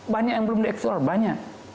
banyak yang belum diekspor banyak